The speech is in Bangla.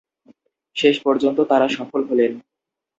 শেষ পর্যন্ত তারা সফল হলেন।